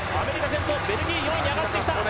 ベルギー４位に上がってきた。